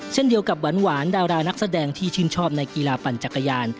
เช่นเดียวกับหวานดารานักแสดงที่ชื่นชอบในกีฬาปั่นจักรยาน